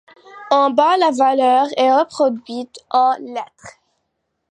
En bas, la valeur est reproduite en lettres.